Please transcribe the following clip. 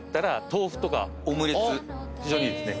非常にいいですね。